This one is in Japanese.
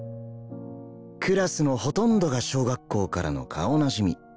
クラスのほとんどが小学校からの顔なじみ。